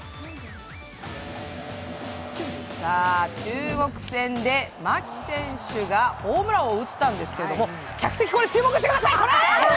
さあ、中国戦で牧選手がホームランを打ったんですけれども客席、これ注目してください。